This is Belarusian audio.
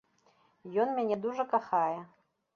Ён мяне дужа кахае.